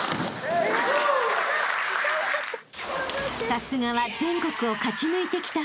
［さすがは全国を勝ち抜いてきた２人］